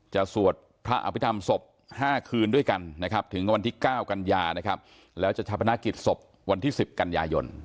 จะสวดพระอภิษฐรรมศพ๕คืนด้วยกันถึงวันที่๙กันยาแล้วจะชะพนาศกิจศพวันที่๑๐กันยายน